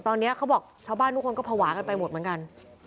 ตอนนี้เขาบอกชาวบ้านทุกคนก็ภาวะกันไปหมดเหมือนกัน